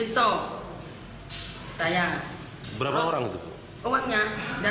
sudah mengambil uang tapi terus berlut sama saya